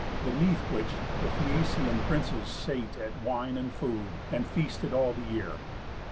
Beneath which the Phæacian princes sate At wine and food, and feasted all the year.